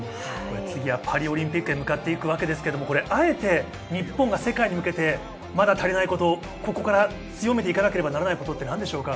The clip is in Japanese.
次はパリオリンピックに向かっていくわけですが、あえて日本が世界に向けて、まだ足りないこと、強めていかなければいけないことは何ですか？